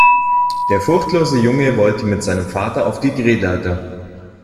Der furchtlose Junge wollte mit seinem Vater auf die Drehleiter.